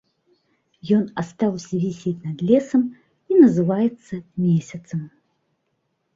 Ён астаўся вісець над лесам і называецца месяцам.